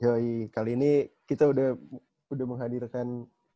joy kali ini kita udah menghadirkan